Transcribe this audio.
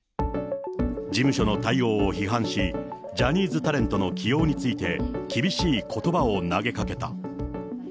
事務所の対応を批判し、ジャニーズタレントの起用について、厳しいことばを投げかけた。